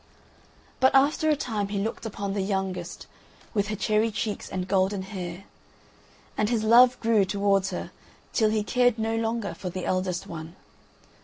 But after a time he looked upon the youngest, with her cherry cheeks and golden hair, and his love grew towards her till he cared no longer for the eldest one.